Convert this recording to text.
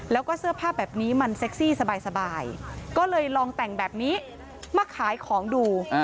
แล้วก็เสื้อผ้าแบบนี้มันเซ็กซี่สบายก็เลยลองแต่งแบบนี้มาขายของดู